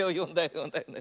よんだよね？